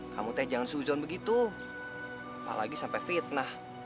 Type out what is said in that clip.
kamu teh jangan suzon begitu apalagi sampai fitnah